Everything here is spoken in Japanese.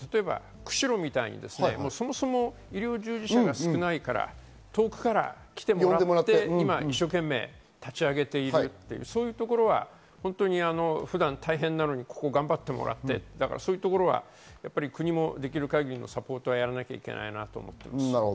釧路みたいにそもそも医療従事者が少ないから遠くから来てもらって今一生懸命立ち上げている、そういうところは普段大変なのにここを頑張ってもらって、国もできる限りサポートをやらなきゃいけないなと思っています。